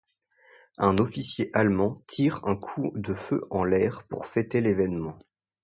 Un officier allemand tire un coup de feu en l'air pour fêter l'événement.